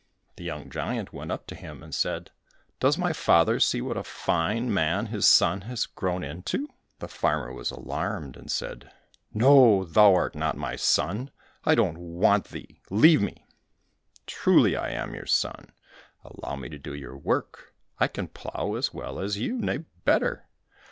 The young giant went up to him, and said, "Does my father see what a fine man his son has grown into?" The farmer was alarmed, and said, "No, thou art not my son; I don't want thee leave me!" "Truly I am your son; allow me to do your work, I can plough as well as you, nay better."